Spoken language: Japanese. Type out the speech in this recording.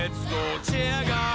チェアガール！」